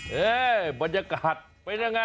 เฮ่ยบรรยากาศเป็นอย่างไร